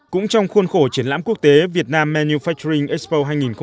cũng trong khuôn khổ triển lãm quốc tế việt nam manufacturing expo hai nghìn một mươi tám